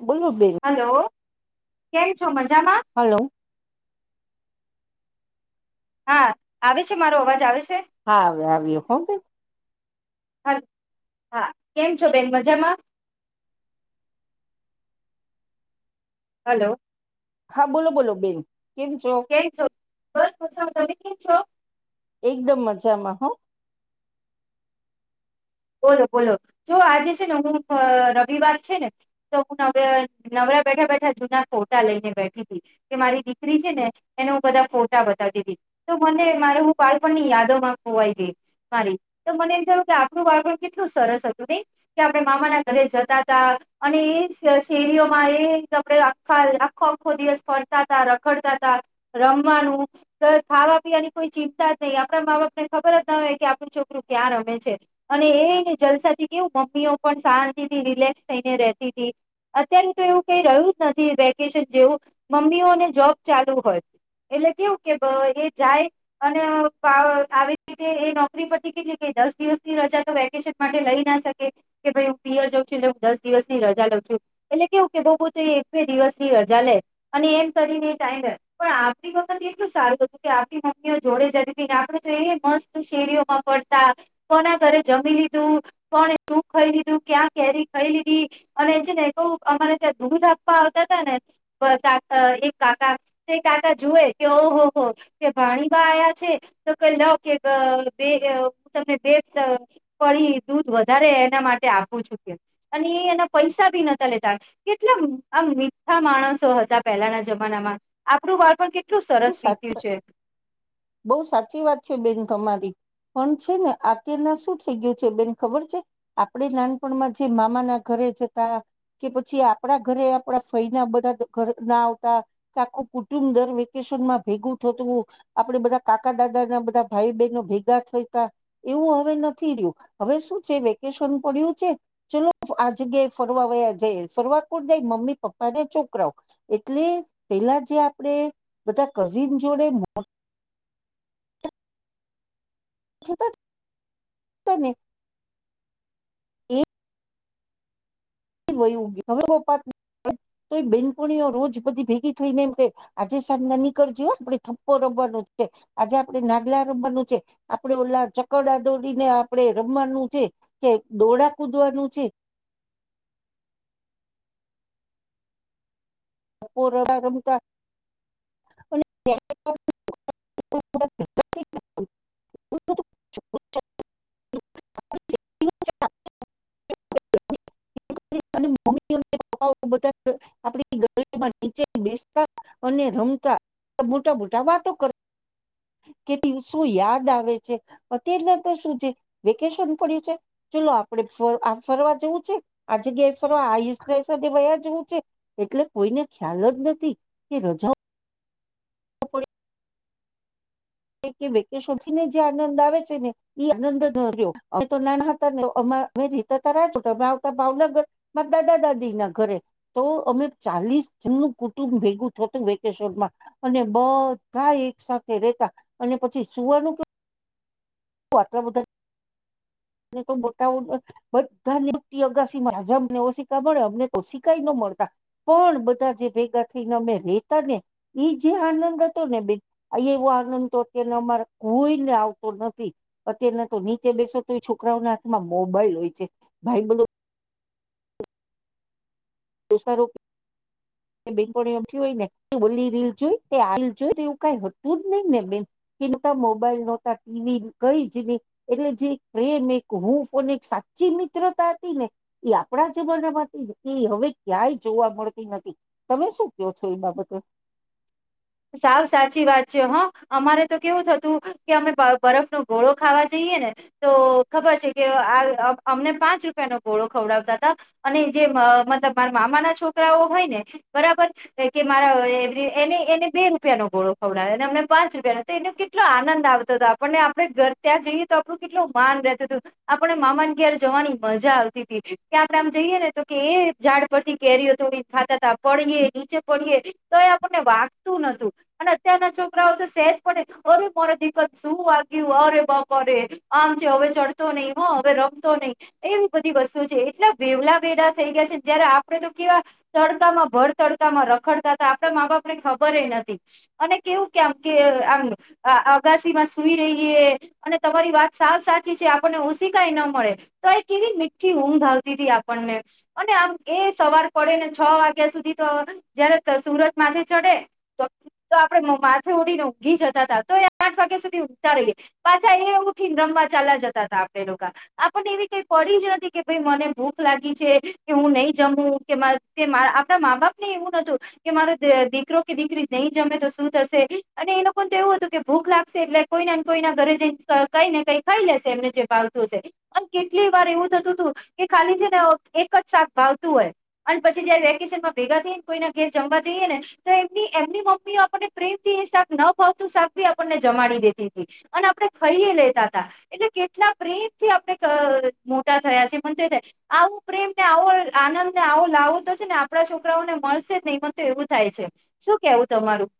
[inaudible] બેન હલો કેમ છો મજામાં હાલો હા આવે છે મારો અવાજ આવે છે હા [unintelligible] હા બેન હ હા કેમ છો બેન મજામાં હાલો હા બોલો બોલો બેન કેમ છો કેમ છો બસ [inaudible] તમે કેમ છો એકદમ મજામાં હ બોલો બોલો જો આજે છે ને હું રવિવાર છે ને તો હું નવે નવરા બેઠા બેઠા જૂના ફોટા લઈને બેઠી હતી કે મારી દીકરી છે ને એને હું બધા ફોટા બતાવતી હતી તો મને મારે હું બાળપણની યાદો માં ખોવાઈ ગઈ મારી તો મને એમ થયું કે આપણુ બાપણ કેટલું સરસ હતું નઈ કે આપણે મામાના ઘરે જતા તા અને એ શેરીઓમાં એ આપખ આખો આખો દિવસ ફરતા તા રખડતા તા રમવાનું ખાવા પીવાની કોઈ ચિંતા જ નઈ આપણા મા બાપ ને ખબર જ ના હોય કે આપણું છોકરું ક્યાં રમે છે અને એને જલસાથી કેવું મમ્મીઓ પણ શાંતિ થી રિલેક્સ થઈને રતી હતી અત્યારે તો એવું કઈ રહ્યું જ નથી વેકેશન જેવું મમ્મીઓને જોબ ચાલુ હોય એટલે કેવું કે એ જાય અને આવી રીતે એ નોકરી પરથી કેટલી કઈ દસ દિવસ રજા તો વેકેશન માટે લઈ ના શકે કે ભાઈ હું પિયર જઉં છું એટલે હું દસ દિવસની રજા લઉં છું એટલે કેવું કે બો તો એ એક બે દિવસની રજા લે અને એમ કરીને ટાઈમ પણ આપણી વખત એટલું સારું હતું કે આપણી મમ્મીઓ જોડે જતી હતી આપડ તો એ મસ્ત શેરીઓમાં પડતા કોના ઘરે જમી લીધું કોને શું ખાઈ લીધું ક્યાં કેરી ખાઈ લીધી અને છે ને ક અમારે ત્યાં દૂધ આપવા આવતા હતાા નેા એક કાકા કાકા જોુએ કે ઓહ હો કે ભાણીબા આયા છે તો કઈ લાવ કે બે તમને બે ફળી દૂધ વધારે એના માટે આપવું છુંકે અને એ એના પૈસા ભી નતા લેતા કેટલા આ મીઠા માણસો હતા પહેલાના જમાનામાં આપણું બાળપણ કેટલું સરસ વીત્યું છે [inaudible] બો સાચી વાત છે બેન તમારી પણ છે ને અત્યારના શું થઈ ગયું છે, બેન ખબર છે આપણેે નાનપણમાં જે મામા ના ઘરે જતા કે પછી આપડા ઘરે આપણા ફય ના બધા ઘર ના આવતા કે આખું કુટુંબ દર વ્યક્ થતું આપડે બધા કાકા દાદા ના બધા ભાઈ બહેનો ભેગા થતા. એવું હવે નથી રહ્યું હવે શું છે વેકેશન પડ્યું છે ચલો આ જગ્યાએ ફરવા વયા જાય ફરવા કો જાય મમ્મી પપ્પા ને છોકરાઓ એટલે પેલા જે આપણે બધા કઝિન જોડે મો ત ન ય હવેપત બેનપણીઓ રોજ બધી ભેગી થઈને એમ કે આજે સાંજ ના નીકળ જ આપણે થપ્પો રમવાનો છે. આજે આપણે નાદલા રમવાનું છે, આપડણે ઓલા ચકડા દોડીને આપણે રમવાનું છે કે દોડા કૂદવાનું છે. [unintelligible] ગમાં નીચે બેસતા અને રમતા મોટા મોટા વાતો કર કે ત શું યાદ આવે છે અત્યારના તો શું છે વેકેશન પડ્યું છે. ચલો આપડે આ ફરવા જવું છે, આ જગ્યાએ ફરવા આ વયા જવું છે એટલે કોઈને ખ્યાલ જ નથી કે રજા. ને જે આનંદ આવે છે ને એ આનંદ ન રહ્યો અમે તો નાના હતા ને અ રેતા ત અ આવતા ભાવનગર મારા દાદા દાદી ના ઘરે તો અમે ચાલીસ જણનું કુટુંબ ભેગું થ હતું, વેકેશનમાં અને બધા એક સાથે રતા અને પછી સુવારનું કે અત્ર બધા તો મોટા બધાની અગાસીમાં અમને એવ શિક્કા મળે અમને તો સીખાય ન મળતા પણ બધા જે ભેગા થઈને અમે રેતા ને એ જે આનંદ હતો ને બેન આ એવો આનંદ તો અત્ય અમારે કોઈને આવતો નથી અત્યના તો નીચે બેસો તો છોકરાઓ ના હાથમાં મોબાઈલ હોય છે ભાઈ બલો દસ રૂપ બેન હોય ને બોલી રીલ જોઈ રલ જોઈ એવું કઈ હતું જ નહી ને બેન કતા મોબાઈલ નહોતા ટીવી ગઈ જ નહી, એટલે જે પ્રેમ એક હું ફોન એક સાચી મિત્રતા હતી ને એ આપણા જમાનામાં હતી એ હવે ક્યાંય જોવા મળતી નથી. તમે શું કહો છો એ બાબતે સાવ સાચી વાત છે હા અમારે તો કેવું થતું કે અમે બરફ ન ઘોળો ખાવા જઈએ ને તો ખબર છે, કે આ અમને પાંચ રૂપિયાનોો ઘોળો ખવડાવતા હતા અને જે મતલબ મારા મામાના છોકરાઓ હોય ને બરાબર કે મારા એને એને બે રૂપિયા નો ગોળો ખવડાવે અમને પાંચ રૂપિયા એને કેટલો આનંદ આવતો હતો આપણને આપણે ઘર ત્યાં જઈએ તો આપણું કેટલું માન રહેતું હતું આપને મામાન કર જવાની મજા આવતી હતી કે આપણે આમ જઈએ, ને તો કે એ ઝાડ પરથી કેરીઓ થોડીને ખાતા તા પડીએ નીચે પડીએ તો એ આપણને વા અને અત્યારના છોકરાઓ તો સેજ પડ અરે મોરે દીકત શું વાગ્યું અરે બપ અરે આમ છે, હવે ચડતો નહી હો હવે રમતો નહી એવી બધી વસ્તુ છે એટલા વેવલા વેડા થઈ ગયા છે જયારે આપડે તો કેવા તડકામાં ભર તડકામાં રખડતા હતા આપડા મા બાપ ને ખબર ખબરે નથી અને કેવું કેમ કે આમ અગાસી માં સુઈ રહીએ અને તમારી વાત સાવ સાચી છે, આપણને ઓશી કઈ ન મળે તો એ કેવી મીઠી ઊંઘ આવતી હતી આપણને અને આમ એ સવાર પડે ને છ વાગ્યા સુધી તો જયારે સુરતમાંથી ચડે. તો આપડે માથે ઉડીને ઊઘી જતા હતાા તો એ આઠ વાગ્યા સુધી ઊગતા રહીએ, પાછા એ ઉઠીને રમવા ચાલ જતા હતા આપણે લોકો આપણને એવી કઈ પડી જ નથી કે ભ મને ભૂખ લાગી છે કે હું નહી જમું કે આપણા મા બાપ ને એવું નતું કે મારો દીકરો દીકરી નહી જમે તો શું થશે, અને એ લોકો તો એવું હતું કે ભૂખ લાગશે એટલે કોઈ ને કોઈના ઘરે જ કઈ ને કઈ ખાઈ લેશે એમને જે ભાવતું હશે અને કેટલી વાર એવું થતું હતું કે ખાલી છે ને એક જ સાાક ભાવતું હોય, અને પછી જયારે વેકેશન માં ભેગા થઈને કોઈના ઘેર જમવા જઈએ ને તો એમ એમની મમ્મીઓ આપણને પ્રેમ થી એ શાક ન ભાવતું શાક ભી આપણને જમાડી દેતી હતી, અને આપણે ખાઈ લેતા હતા એટલે કેટલા પ્રેમથી આપણે મોટા થયા છે. મને તો એ થાય આવું પ્રેમને આવો આનંદ ને આવો લાવો તો છે ને આપણા છોકરાઓને મળશે જ નહીં મ તો એવું થાય છે. શું કેવું તમારું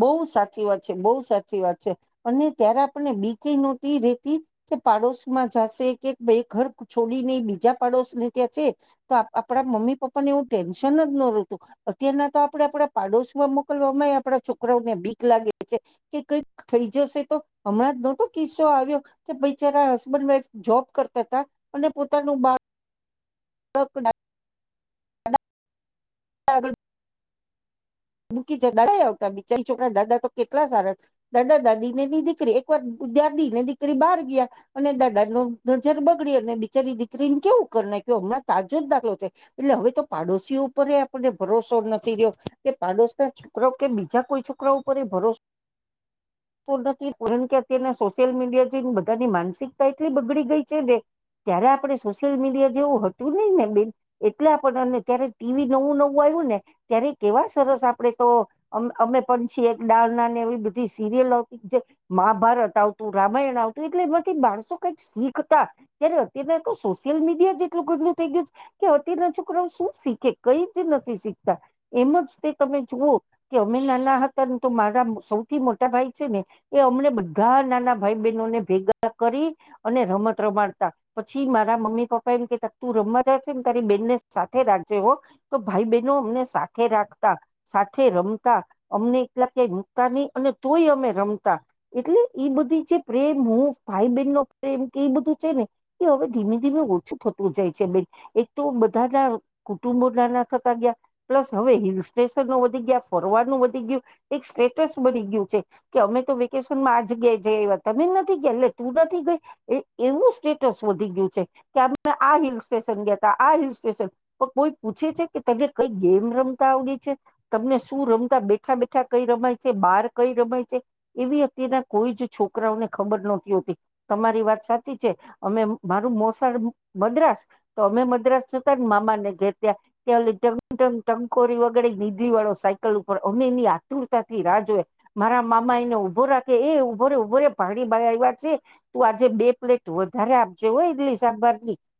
બહ સાચી વાત છે બહુ સાચી વાત છે, અને ત્યારે આપણને બી કઈ નહોતી રેતી કે પાડોશ માં જશે કે ઘર છોડી ને બીજા પાડોશને ત્યાં છે, તો આપણા મમ્મી પપ્પા ને એવું ટેન્શન જ નતું અત્યારના તો આપડે આપડા પાડોશમાં મોકલવામાં આપડા છોકરા છોકરાને ભીક લાગે છે કે કઈ થઈ જશે, તો હમણાં નતો કિસ્સો આવ્યો કે બચારા હસબન્ડ વાઈફ જોબ કરતા હતા અને પોતાનું બાળ હક ના [unintelligible] મૂકી દાદા આવતા બિચારી છોકરા દાદા તો કેટલા સારા દાદા દાદી ને નની દીકરી એક વાર દાદી ને દીકરી બહાર ગયા અને દાદા ન નજર બગડી અને બિચારી દીકરીને કેવું કર ના કે હમણાં તાજો જ દાખલો છે એટલે હવે તો પાડોશી ઉપર આપણને ભરોસો નથી રહ્યો. પાડોશ છોકરા કે બીજા કોઈ છોકરા ઉપર એ ભરોસો નથી પર કે અત્યારના સોશિયલ મીડિયા જે બધાની માનસિકતા એટલી બગડી ગઈ છે, ને ત્યારે આપણે સોશિયલ મીડિયા જેવું હતું નહી ને બેન એટલા આપ અને ત્યારે ટીવી નવું નવું આવ્યું ને ત્યારે કેવા સરસ આપડે તો અમે પણ છીએ એક દા ના ને એવી બધી સીરિયલ આવતી જે મહાભારત આવતું રામાયણ આવતું એટલે એમાંથી માણસો કઈક શીખતા ત્યારે અત્ય્યારે તો સોશિયલ મીડિયા જ એટલું ગંદું થઈ ગયું છે. કે અત્યારના છોકરાઓ શું શીખે કઈ જ નથી શીખતા. એમ તમે જુઓ કે અમે નાના હતા ને તો મારા સૌથી મોટા ભાઈ છે ને એ અમને બધા નાના ભાઈ બહેનોને ભેગા કરી અને રમત રમાડતા પછી મારા મમ્મી પપ્પા એમ કે ત તું રમત ને તારી બેહેનને સાથે રાખે હો તો ભાઈ બહેનો અમને રાખતા સાથે રમતા અમને એટલા ક્યાંય મૂકતા નહી, અને તોય અમે રમતા એટલે એ બધી જે પ્રેમ હું ભાઈ બહેન નો પ્રેમ કે એ બધું છે, ને એ હવે ધીમે ધીમે ઓછું થતું જાય છે બેન એક તો બધાના કુટુંબો ના ના થતા ગયા. પ્લસ હવે હિલ સ્ટેશનો વધી ગયા ફરવાનું વધી ગયું એક સ્ટેટસ બની ગયું છે. કે અમે તો વેકેશનમાં આ જગયા જ એ તમે નથી ગયા એટલે તું નથી ગઈ એવું સ્ટેટસ વધી ગયું છે કે અમે આ હિલ સ્ટેશન ગયા ત આ હિલ સ્ટેશન પણ કોઈ પૂછે છે કે તને કઈ આવ છે તમને શું રમતા બેઠા બેઠા કઈ રમાય છે, બાર કઈ રમાય છે એવી અતારના કોઈ જ છોકરાઓને ખબર નહતી હોતી તમારી વાત સાચી છે અમે મારું મોસાડ મદ્રાસ તો અમે મદ્રાસ જતા ને મામાને ગ ત્યા ત ટંકોરી વગડે નીધી વાળો સાયકલ ઉપર અમે એની આતુરતાથી રાહ જોય મારા મામા એને ઉભો રાખે એ ઉભોરે ઉભોરે ભાડી ભ આવ્યા છે તું આજે બે પ્લેટ અરે આ જે હોય ઇડલી સાંબર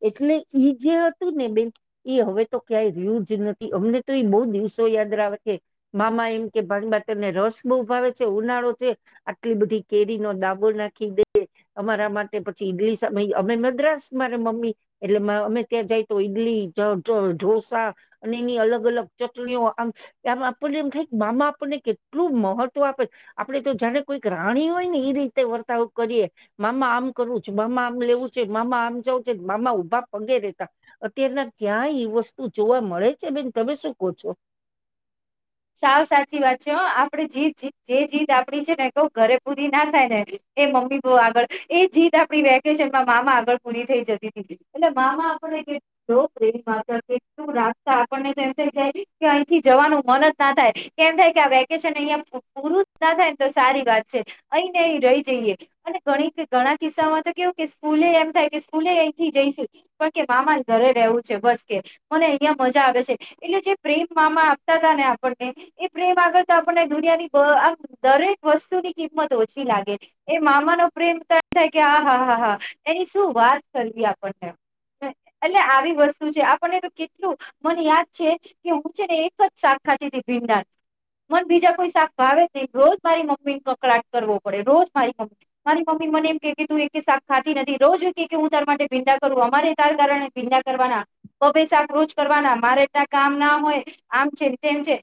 એટલે ઈ જે હતું ને બેન એ હવે તો ક્યાંય રહ્યું જ નથી. અમને તો બહ દિવસો યાદ આવે છે મામા એમ કે ભાણી બા તને રસ બહુ ભાવે છે ઉનાળો છે આટલી બધી કેરી નો ડાબો નાખી દે અમારા માટે પછી ઈડલી સા અમે મદ્રાસ મારે મમ્મી એટલે અમે ત્યાં જાય તો ઈડલી ઢોસા અને એની અલગ અલગ ચટણીઓ આમ આમ આપણને એમ થાય મામા આપણને કેટલું મહત્વ આપે આપડે તો જાને કોઈક રાણી હોય ને એ રીતે વર્તાવ કરીએ મામા આમ કરવું છે મામા આમ લેવું છે મામા આમ જવું છે. મામા ઉભા પગે રહેેતા અત્યારના ક્યાંય એ વસ્તુ જોવા મળે. છે બેન તમે શું કહો છો. સાવ સાચી વાત છે આપણે જે જે જીત આપડી છે ને કહ ઘરે પૂરી ના થાય ને એ મમ્મી આગળ એ જીત આપડી વેકેશનમાં મામા આગળ પૂરી થઈ જતી હતી, એટલે મામા આપને કેટલો પ્રેમ કેટલું રાસ્તા આપણને જેમ થઇ જાય કે અહીંથી જવાનું મન જ ના થાયમ થાય વેકેશન અહિયાયા પૂરું ના થાય તો સારી વાત છે અહી ને અ રહી જઈએ અનેણી ઘણા કિસ્સામાં તો કેવું કે સ્કૂલે એમ થાય કે સ્કૂલે અહીથી જઈશું પણ કે મામા ઘરે રવું છે બસ કે મને અહિયાં મજા આવે છે એટલે જે પ્રેમ મામા આપતા હતા ને પ્રેમ આગળ તો આપણને દુનિયાની આમ દરેક વસ્તુની કિંમત ઓછી લાગે એ મામા નો પ્રેમ તો એમ થાય કે હ હા હા હા એની શું વાત કરવી આપણને એટલે આવી વસ્તુ છે. આપણને તો કેટલું મને યાદ છે કે હું છે ને એક જ ખાતી હતી ભીંડા મન બીજા કોઈ શાક ભાવે નહી રોજ મારી મમ્મી ને કકડાાટ કરવો પડે રોજ મારી મમ્મી મારી મમ્મી મને એમ કે તું એક શાક ખાતી નથી રોજ કે હું તાર માટે ભીંડા કરું અમારે તાર કારણે ભીંડા કરવાના પભે શાક રોજ કરવાના મારે ત્યાં કામ ના હોય આમ છે. ને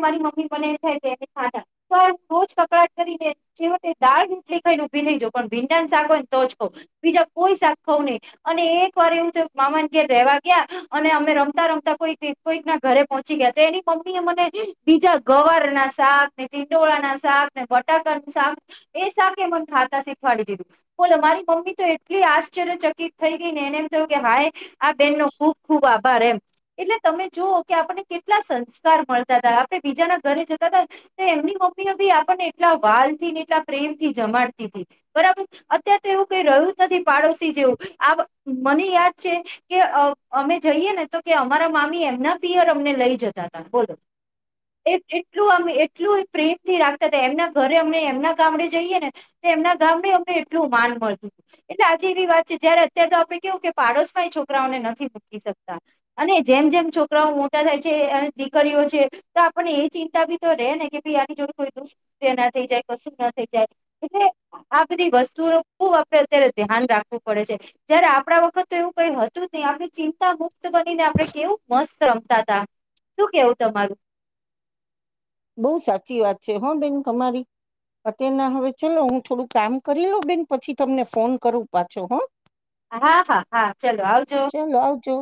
મારી મમ્મી મને એમ થાય કેને ખાતા તો આ રોજ કકડાટ કરીને જે દાળ ટલી ખાઈને ભીલી જો પણ ભીંડાને શાક હોયને તો જ ખઉ બીજા કોઈ શાક ખઉ નહી અને એક વાર એવું તો મામા ઘેર રેવા ગયા અને અમે રમતા રમતા કોઈક કોઈક ના ઘરે પહોંચી ગયા તો એની મમ્મી એ મને બીજા ગવાર ના શાક ને ટીંડોળા ના શાક ને બટાકાનું શાક એ શાક એ મને ખાતા શીખવાડી દીધું બોલો મારી મમ્મી તો એટલી આશ્ચર્ય ચકિત થઈ ગઈ ને એને એમ થયું કે હાય. આ બેનનો ખૂબ ખૂબ આભ કર એમ એટલે તમે જુઓ કે આપણને કેટલા સંસ્ સંસ્કાર મળતા તા આપણે બીજાના ઘરે જતાતા તે એમની મમ્મી ઓબી આપણને એટલા વાલ થી ને એટલા પ્રેમ થી જમાડતી તી બરાબર અત્યારે તો એવું કઈ રહ્યું જ નથી પાડોશી જેવું આ મને યાદ છે કે અ અમે જઈએ ને તો કે અમારા મામી એમના પિયર અમને લઈ જતા. બોલો એ એટલું આમ એટલું એ પ્રેમ થી રાખતા તા. એમના ઘરે અમને એમના ગામડે જઈએ ને તે એમના ગામડે અમને એટલું માન મળતું તું એટલે આજે એવી વાત છે જયારે અત્યારે તો આપણે કેવું કે પાડોશમાં એ છોકરાઓને નથી મૂકી શકતા. અને જેમ જેમ છોકરાઓ મોટા થાય છે અને દીકરીઓ છે તો આપણને એ ચિંતા બી તો રે ને કે ભાઈ આની જોડે કોઈ દુષ્ ના થઈ જાય કશું ના થઈ જાય એટલે આ બધી વસ્તુ ખુબ આપણે અત્યારે ધ્યાન રાખવું પડે છે. જયારે આપણા વખત તો એવું કઈ હતું જ નહી. આપણી ચિંતા મુક્ત બનીને આપણે કેવું મસ્ત રમતા તા શું કેવું તમારું? બહુ સાચી વાત છે હ બેન તમારી અત્યારના હવે ચલો હું થોડુંક કામ કરી લઉં બેન પછી તમને ફોન કરું પાછો હ હા હા હા ચલો આવજો ચલો આવજો.